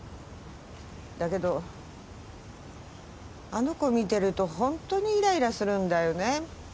だけどあの子を見てると本当にイライラするんだよね。